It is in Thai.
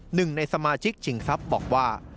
หนึ่งในสมาชิกชิงทรัพย์บอกว่า